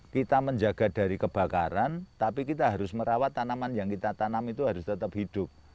kita menjaga dari kebakaran tapi kita harus merawat tanaman yang kita tanam itu harus tetap hidup